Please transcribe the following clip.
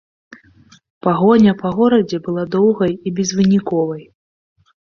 Пагоня па горадзе была доўгай і безвыніковай.